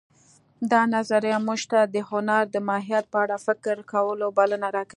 دا نظریه موږ ته د هنر د ماهیت په اړه فکر کولو بلنه راکوي